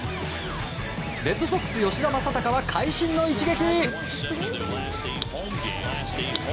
レッドソックス吉田正尚は会心の一撃。